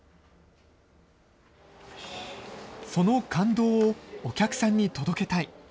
その感動をお客さんに届けたい。